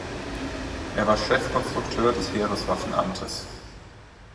Er war Chefkonstrukteur des Heereswaffenamtes.